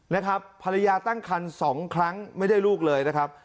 นะครับภรรยาตั้งคันสองครั้งไม่ได้ลูกเลยนะครับ